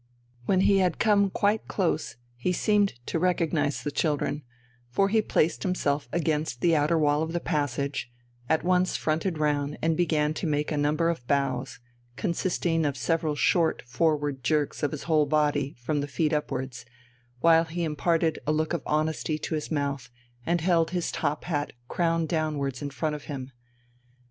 When he had come quite close he seemed to recognize the children, for he placed himself against the outer wall of the passage, at once fronted round and began to make a number of bows, consisting of several short forward jerks of his whole body from the feet upwards, while he imparted a look of honesty to his mouth and held his top hat crown downwards in front of him.